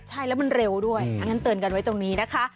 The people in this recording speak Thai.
ใช่แล้วมันเร็วด้วยอันนั้นเตือนกันไว้ตรงนี้นะคะ